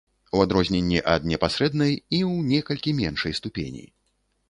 У адрозненні ад непасрэднай і, ў некалькі меншай ступені.